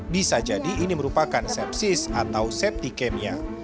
bisa jadi ini merupakan sepsis atau septikemia